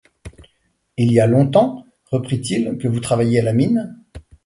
Il y a longtemps, reprit-il, que vous travaillez à la mine?